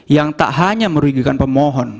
yang tak hanya merugikan pemohon